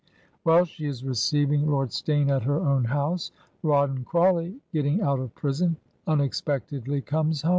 While she is receiving Lord Steyne at her own house, Rawdon Crawley, get ting out of prison, unexpectedly comes home.